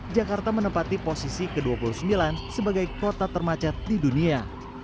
jakarta menempati posisi ke dua puluh sembilan sebagai kota termacet di dunia